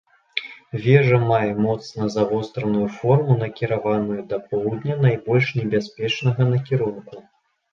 Вежа мае моцна завостраную форму, накіраваную да поўдня, найбольш небяспечнага накірунку.